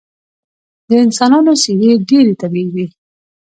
د انسانانو څیرې ډیرې طبیعي وې